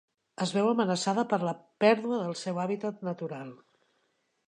Es veu amenaçada per la pèrdua del seu hàbitat natural.